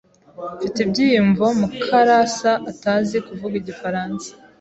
Mfite ibyiyumvo Mukarasa atazi kuvuga igifaransa.